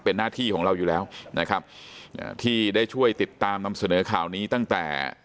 เป็นหน้าที่ของเราอยู่แล้วนะครับอ่าที่ได้ช่วยติดตามนำเสนอข่าวนี้ตั้งแต่